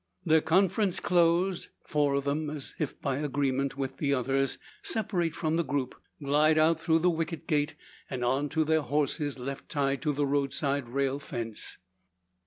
Their conference closed, four of them, as if by agreement with the others, separate from the group, glide out through the wicket gate, and on to their horses left tied to the roadside rail fence.